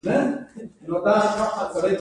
دا موضوع په فکري ازموینو کې مدلل شوه.